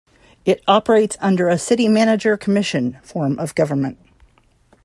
It operates under a City Manager-Commission form of government.